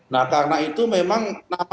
nah karena itu memang